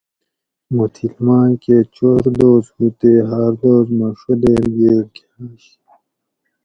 موں تھِل مائ کہ چور دوس ھو تے ھار دوس مہ ڛو دیر گیل کھاںش